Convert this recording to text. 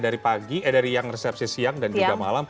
dari pagi eh dari yang resepsi siang dan juga malam